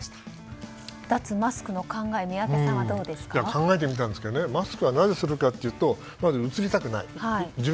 考えてみたんですけどマスクをなぜするかというとまず自分もうつりたくない。